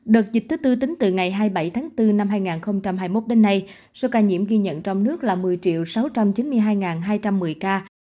đợt dịch thứ tư tính từ ngày hai mươi bảy tháng bốn năm hai nghìn hai mươi một đến nay số ca nhiễm ghi nhận trong nước là một mươi sáu trăm chín mươi hai hai trăm một mươi ca